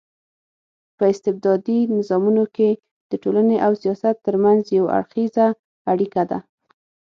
په استبدادي نظامونو کي د ټولني او سياست ترمنځ يو اړخېزه اړيکه ده